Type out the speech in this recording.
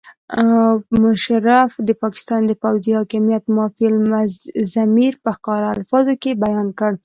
مشرف د پاکستان د پوځي حاکمیت مافي الضمیر په ښکاره الفاظو کې بیان کړ.